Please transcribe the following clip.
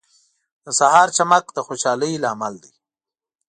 • د سهار چمک د خوشحالۍ لامل دی.